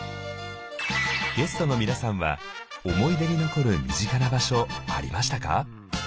ゲストの皆さんは思い出に残る身近な場所ありましたか？